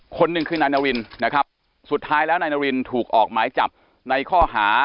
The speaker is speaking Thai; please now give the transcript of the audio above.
คนหนึ่งคือนายนารินนะครับสุดท้ายแล้วนายนารินถูกออกหมายจับในข้อหา